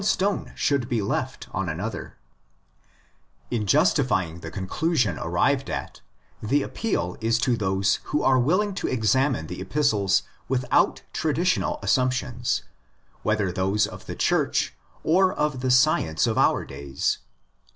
104 THE NATURE OF THE WORK 105 In justifying the conclusion arrived at, the appeal is to those who are willing to examine the Epistles without traditional assumptions, whether those of the Church or of "" the science of our days.""